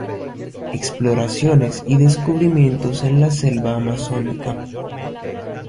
Exploraciones y descubrimientos en la selva amazónica